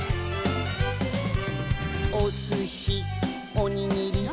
「お寿司おにぎり」「」